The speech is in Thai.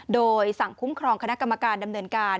โดยสั่งคุ้มครองคณะกรรมการดำเนินการ